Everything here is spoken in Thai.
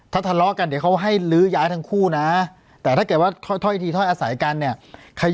ถ้าทะเลาะกันเดี๋ยวเขาให้ลื้อย้ายทั้งคู่นะแต่ถ้าเกิดว่าถ้อยทีถ้อยอาศัยกันเนี่ย